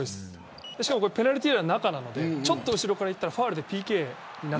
しかもペナルティーエリアの中なのでちょっと後ろから行ったらファウルで、ＰＫになる。